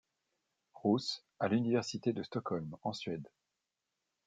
Roos à l'université de Stockholm en Suède.